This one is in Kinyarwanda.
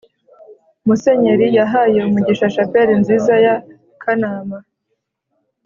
musenyeri yahaye umugisha chapelle nziza ya kanama